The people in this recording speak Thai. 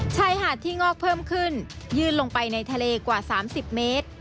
ชายหาดที่งอกเพิ่มขึ้นยื่นลงไปในทะเลกว่า๓๐เมตร